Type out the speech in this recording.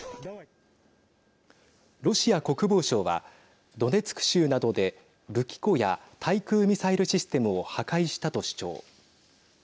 ロシア国防省はドネツク州などで武器庫や対空ミサイルシステムを破壊したと主張。